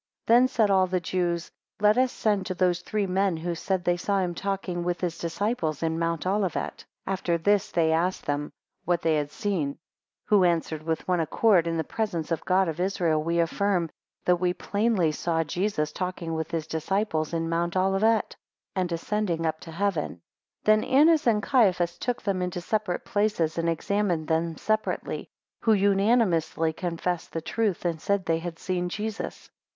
6 Then said all the Jews, Let us send to those three men, who said they saw him talking with his disciples in mount Olivet. 7 After this, they asked them what they had seen; who answered with one accord, In the presence of the God of Israel we affirm, that we plainly saw Jesus talking with his disciples in Mount Olivet, and ascending up to heaven. 8 Then Annas and Caiaphas took them into separate places, and examined them separately; who unanimously confessed the truth, and said, they had seen Jesus.